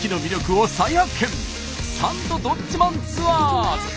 「サンドどっちマンツアーズ」。